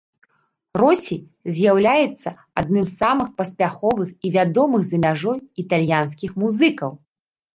Росі з'яўляецца адным з самых паспяховых і вядомых за мяжой італьянскіх музыкаў.